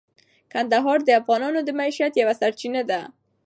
کندهار د افغانانو د معیشت یوه سرچینه ده.